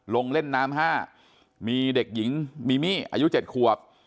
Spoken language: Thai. ลงเล่นน้ำ๕มีเด็กหญิงมีมี่อายุ๗ขวบ